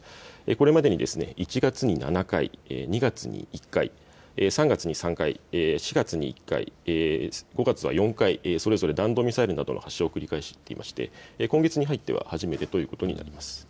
これまでに１月に７回、２月に１回、３月に３回、４月に１回、５月は４回、それぞれ弾道ミサイルなどの発射を繰り返していまして今月に入っては初めてということになります。